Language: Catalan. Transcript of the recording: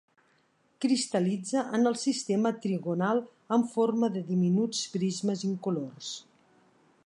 Cristal·litza en el sistema trigonal en forma de diminuts prismes incolors.